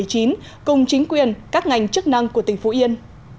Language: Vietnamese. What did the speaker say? cùng chính quyền các ngành chức năng của tỉnh phú yên